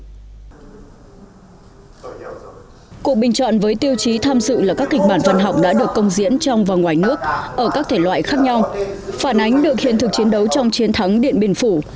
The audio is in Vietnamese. cuộc bình chọn với tiêu chí tham dự là các kịch bản văn học đã được công diễn trong và ngoài nước ở các thể loại khác nhau phản ánh được hiện thực chiến đấu trong chiến thắng điện biên phủ